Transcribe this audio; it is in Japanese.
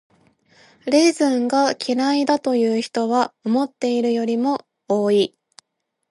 レーズンが嫌いだという人は思っているよりも多い。